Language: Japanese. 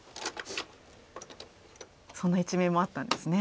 そんな一面もあったんですね。